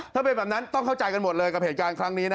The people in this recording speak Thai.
ถ้าเป็นแบบนั้นต้องเข้าใจกันหมดเลยกับเหตุการณ์ครั้งนี้